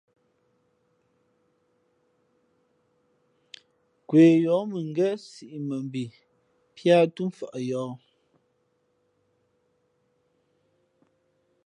Nkwe yᾱᾱ mʉ̄ngén siʼ mά mbhi pí ǎ túmfαʼ yōh.